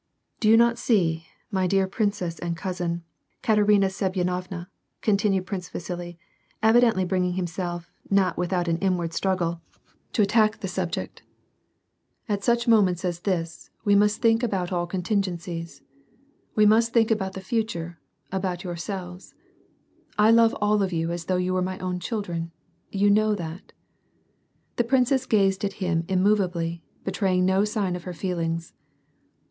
Do you not see, my dear princess and cousin, Katerina Semyonovna," continued Prince Vasili, evidently bringing himself, not without an inward struggle, to attack the sub ' Je suis ^rtint^ comme vn chevai de po$t€" WAR AND PEACE. 86 ject; "at such moments as this, we must think about all contingencies. We must think about the future, about your selves. — I love all of you as though you were my own chil dren ; you know that." The princess gazed at him immovably, betraying no sign of her feelings.